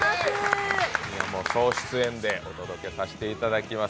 総出演でお届けさせていただきます。